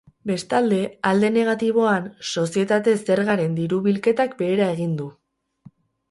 Bestalde, alde negatiboan, sozietate-zergaren diru-bilketak behera egin du.